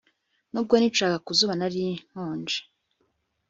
Nubwo nicaraga ku zuba nari nkonje